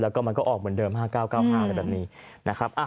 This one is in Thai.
แล้วก็มันก็ออกเหมือนเดิม๕๙๙๕อะไรแบบนี้นะครับ